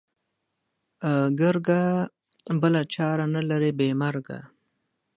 گرگه! بله چاره نه لري بې مرگه.